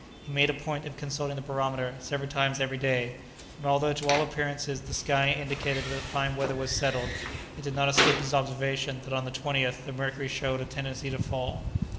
He made a point of consulting the barometer several times every day, and although to all appearances the sky indicated that the fine weather was settled, it did not escape his observation that on the 20th the mercury showed a tendency to fall.